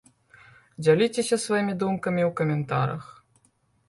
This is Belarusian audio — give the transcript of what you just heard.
Дзяліцеся сваімі думкамі ў каментарах!